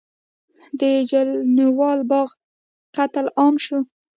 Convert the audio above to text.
د جلیانواله باغ قتل عام وشو.